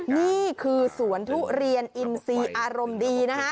นี่คือสวนทุเรียนอินซีอารมณ์ดีนะฮะ